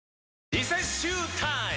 リセッシュータイム！